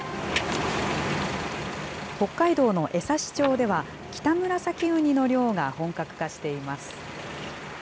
北海道の江差町では、キタムラサキウニの漁が本格化しています。